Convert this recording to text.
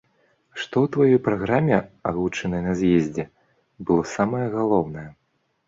Што ў тваёй праграме, агучанай на з'ездзе, было самае галоўнае?